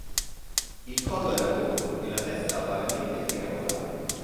Il collo era corto, e la testa vagamente triangolare.